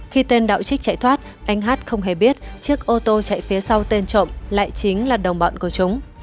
khi tên đạo trích chạy thoát anh hát không hề biết chiếc ô tô chạy phía sau tên trộm lại chính là đồng bọn của chúng